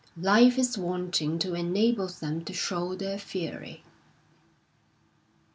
Life is wanting to enable them to show their fury.